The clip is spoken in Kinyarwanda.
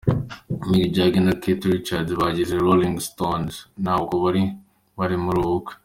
Mick Jagger na Keith Richards, bagize Rolling stones ntabwo bari muri ubu bukwe.